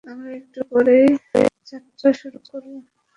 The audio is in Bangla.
আমরা একটু পরেই যাত্রা শুরু করব।